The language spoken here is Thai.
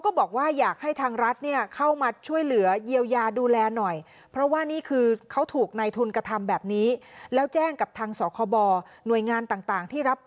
กฎหมายเนี่ยมันไม่ได้เอื้อพวกเราเลยมันเอื้อผู้ประกอบการ